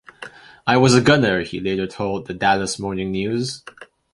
"I was a gunner", he later told the "Dallas Morning News".